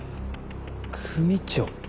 組長。